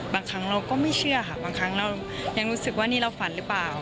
บางครั้งเราก็ไม่เชื่อค่ะบางครั้งเรายังรู้สึกว่านี่เราฝันหรือเปล่า